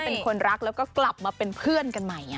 เป็นคนรักแล้วก็กลับมาเป็นเพื่อนกันใหม่